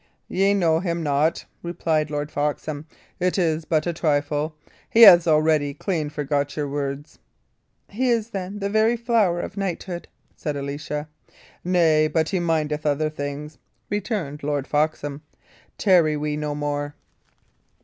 "Ye know him not," replied Lord Foxham. "It is but a trifle; he hath already clean forgot your words." "He is, then, the very flower of knighthood," said Alicia. "Nay, he but mindeth other things," returned Lord Foxham. "Tarry we no more."